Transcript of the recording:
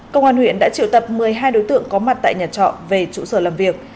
công an huyện đã triệu tập một mươi hai đối tượng có mặt tại nhà trọ về trụ sở làm việc